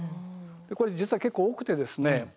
これ実は結構多くてですね。